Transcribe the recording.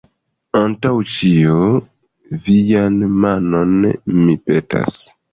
Antaŭ ĉio, vian manon, mi, petas.